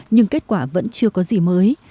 nhưng kết quả vẫn chưa có gì mới